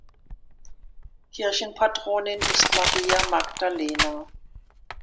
Kirchenpatronin ist Maria Magdalena.